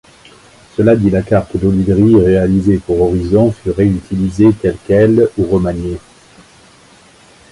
Cela dit, la carte d'Olydri réalisée pour Horizon fut réutilisée telle quelle ou remaniée.